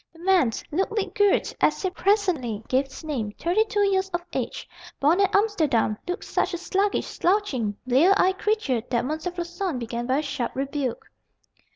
The man, Ludwig Groote, as he presently gave his name, thirty two years of age, born at Amsterdam, looked such a sluggish, slouching, blear eyed creature that M. Floçon began by a sharp rebuke.